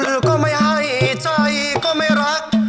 ก็ไม่ให้ใจก็ไม่รัก